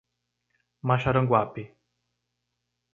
Maxaranguape